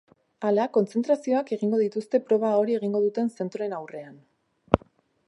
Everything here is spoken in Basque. Hala, kontzentrazioak egingo dituzte proba hori egingo duten zentroen aurrean.